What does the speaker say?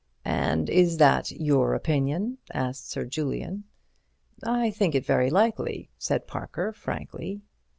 "And is that your opinion?" asked Sir Julian. "I think it very likely," said Parker, frankly.